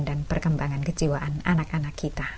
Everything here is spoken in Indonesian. dan perkembangan kejiwaan anak anak kita